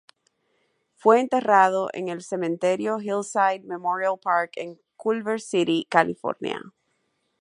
Fue enterrado en el Cementerio Hillside Memorial Park en Culver City, California.